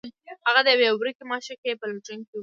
هغه د یوې ورکې معشوقې په لټون کې و